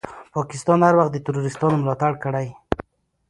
پاکستان هر وخت دي تروريستانو ملاتړ کړی ده.